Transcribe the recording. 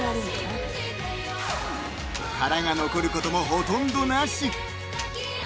［殻が残ることもほとんどなし］